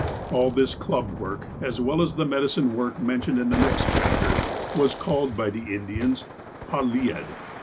All of this club work, as well as the medicine work mentioned in the next chapter, was called by the Indians "hallied."